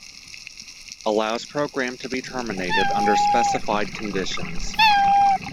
Allows program to be terminated under specified conditions.